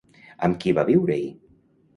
Amb qui va viure-hi?